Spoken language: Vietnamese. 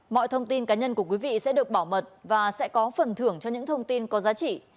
mọi thông tin cá nhân của quý vị sẽ được bảo mật và sẽ có phần thưởng cho những thông tin có giá trị